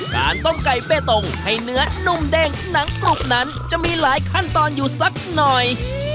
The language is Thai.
การต้มไก่เบตงให้เนื้อนุ่มเด้งหนังกรุบนั้นจะมีหลายขั้นตอนอยู่สักหน่อย